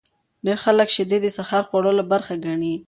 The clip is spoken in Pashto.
ډیر خلک شیدې د سهار د خوړلو برخه ګڼي.